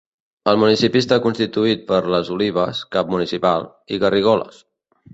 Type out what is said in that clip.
El municipi està constituït per Les Olives, cap municipal, i Garrigoles.